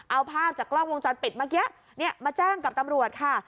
เอาภาพจากกล้องวงจรปิดเมื่อกี้มาแจ้งกับตำรวจค่ะ